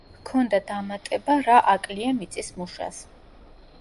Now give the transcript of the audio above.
ჰქონდა დამატება „რა აკლია მიწის მუშას“.